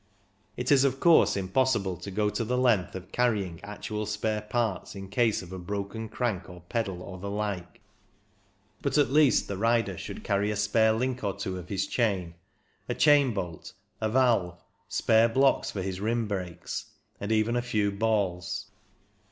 It is, of course, impossible to go the length of carrying actual spare parts in PURELY MECHANICAL 241 case of a broken crank or pedal, or the like ; but at least the rider should carry a spare link or two of his chain, a chain bolt, a valve, spare blocks for his rim brakes, and even a few balls.